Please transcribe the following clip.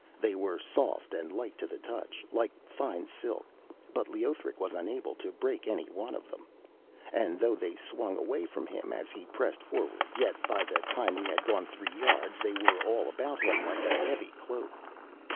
They were soft and light to the touch, like fine silk, but Leothric was unable to break any one of them, and though they swung away from him as he pressed forward, yet by the time he had gone three yards they were all about him like a heavy cloak.